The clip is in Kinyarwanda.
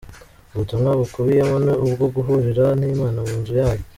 Ubutumwa bukubiyemo ni ubwo guhurira n'Imana mu nzu yayo.